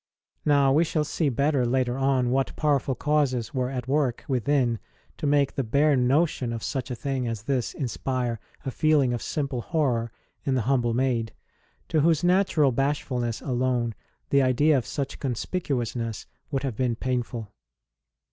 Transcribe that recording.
Now, \vc shall see better later on what powerful causes were at work within to make the bare notion of such a thing as this inspire a feeling of simple horror in the humble maid, to whose natural bashfulness alone the idea of such conspicuous ness would have been painful.